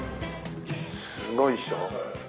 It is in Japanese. すごいっしょ？